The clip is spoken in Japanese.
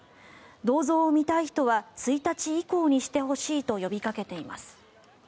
銅像を見たい人は１日以降にしてほしいと呼びかけています。